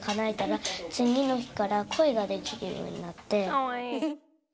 かわいい。